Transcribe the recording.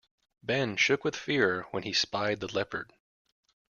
Ben shook with fear when he spied the leopard.